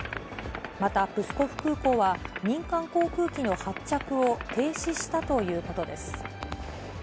またプスコフ空港は、民間航空機の発着を停止したということです。